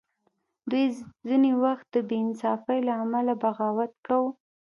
دوی ځینې وخت د بې انصافۍ له امله بغاوت کاوه.